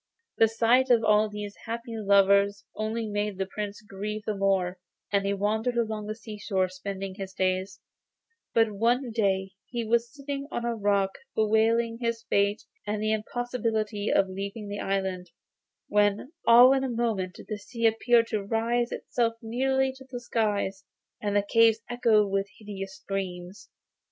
The sight of all these happy lovers only made the Prince grieve the more, and he wandered along the seashore spending his days; but one day he was sitting on a rock bewailing his fate, and the impossibility of leaving the island, when all in a moment the sea appeared to raise itself nearly to the skies, and the caves echoed with hideous screams.